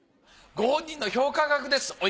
ご本人の評価額です。